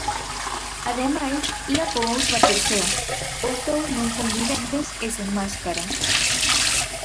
Ademais, ía con outra persoa, os dous non conviventes, e sen máscara.